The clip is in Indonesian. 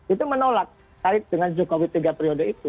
itu menolak said dengan jokowi tiga periode itu